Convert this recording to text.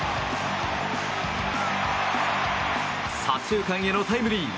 左中間へのタイムリー。